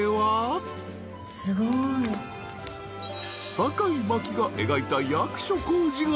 ［坂井真紀が描いた役所広司が］